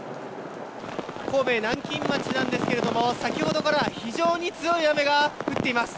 神戸南京町なんですけれども、先ほどから非常に強い雨が降っています。